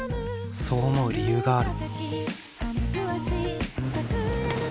そう思う理由がある。